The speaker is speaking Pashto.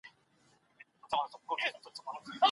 زده کړه د ګټې تحليل د عمل یوه برخه ده.